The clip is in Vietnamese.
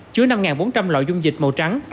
chứa năm bốn trăm linh loại dung dịch màu trắng